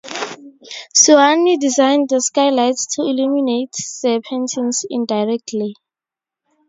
Soane designed the sky lights to illuminate the paintings indirectly.